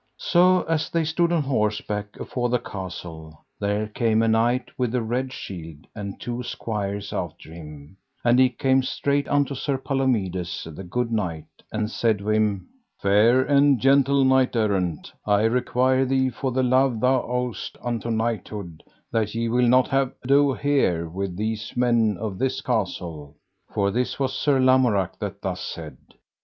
So as they stood on horseback afore the castle, there came a knight with a red shield, and two squires after him; and he came straight unto Sir Palomides, the good knight, and said to him: Fair and gentle knight errant, I require thee for the love thou owest unto knighthood, that ye will not have ado here with these men of this castle; for this was Sir Lamorak that thus said.